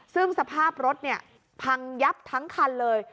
ซึ่งสภาพรถพังยับทั้งคันเลย